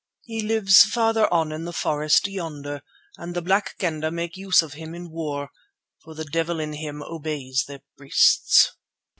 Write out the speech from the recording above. He lives farther on in the forest yonder, and the Black Kendah make use of him in war, for the devil in him obeys their priests."